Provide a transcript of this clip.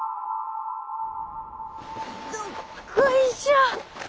どっこいしょ！